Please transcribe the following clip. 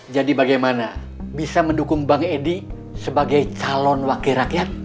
jadi bagaimana bisa mendukung bang edi sebagai calon wakil rakyat